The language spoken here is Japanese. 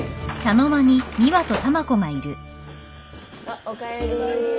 あっおかえり。